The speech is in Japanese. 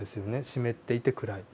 湿っていて暗い。